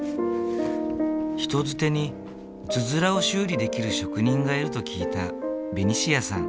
人づてにつづらを修理できる職人がいると聞いたベニシアさん。